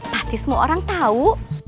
pasti semua orang tahu